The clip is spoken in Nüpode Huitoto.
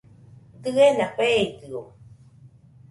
Dɨena feidɨo